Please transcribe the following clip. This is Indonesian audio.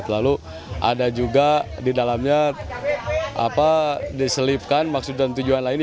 lalu ada juga di dalamnya diselipkan maksud dan tujuan lainnya